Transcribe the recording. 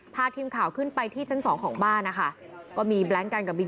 พาทีมข่าวขึ้นไปที่ชั้นสองของบ้านนะคะก็มีกันกับบีบีกัน